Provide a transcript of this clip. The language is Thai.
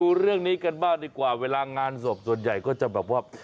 ดูเรื่องนี้กันบ้างดีกว่าเวลางานศพส่วนใหญ่ก็จะแบบว่า